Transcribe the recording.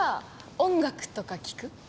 音楽とか聴く？